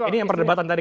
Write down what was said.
ini yang perdebatan tadi